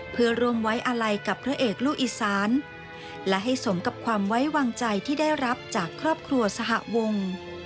เพื่อร่วมไว้อาลัยกับพระเอกลูกอีสานและให้สมกับความไว้วางใจที่ได้รับจากครอบครัวสหวง